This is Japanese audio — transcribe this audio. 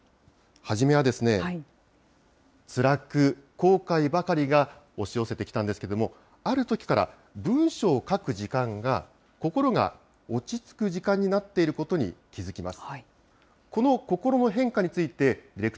初めは、つらく後悔ばかりが押し寄せてきたんですけれども、あるときから文章を書く時間が心が落ち着く時間になっていることに気付きます。